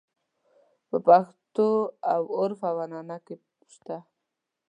په پښتو او عُرف او عنعنه کې شته.